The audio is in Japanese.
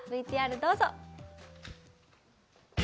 ＶＴＲ、どうぞ。